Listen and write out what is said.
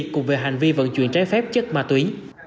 cùng về hành vi vận chuyển trái phép chất ma túy